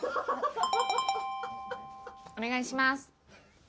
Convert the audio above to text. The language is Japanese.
お願いします。